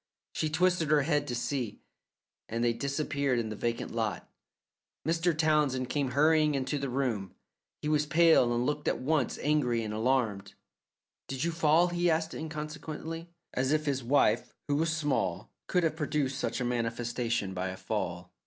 She twisted her head to see, and they disappeared in the vacant lot. Mr. Townsend came hurrying into the room; he was pale, and looked at once angry and alarmed. "Did you fall?" he asked inconsequently, as if his wife, who was small, could have produced such a manifestation by a fall.